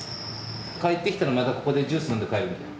帰ってきたらまたここでジュース飲んで帰ればいいじゃん。